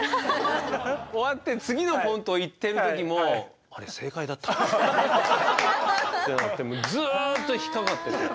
終わって次のコントいってるときもあれ正解だったのかな？ってなってもうずっと引っかかってて。